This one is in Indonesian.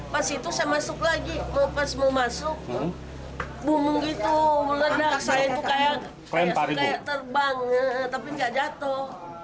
pas mau masuk bumung itu meledak saya itu kayak terbang tapi nggak jatuh